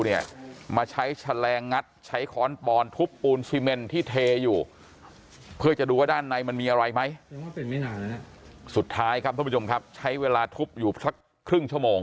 เนี่ยมาใช้แหลงงัดใช้ขอนปอนทุบปูนซีเมนที่เทอยู่